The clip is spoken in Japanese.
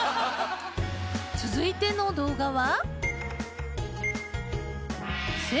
続いての動画は。